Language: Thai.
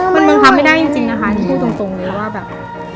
มันบังคับไม่ได้จริงนะคะที่พูดตรงเลยว่าแบบ